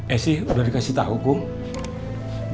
esy sudah dikasih tahu kum